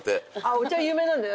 お茶有名なんだよ。